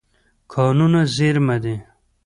کانونه زېرمه دي.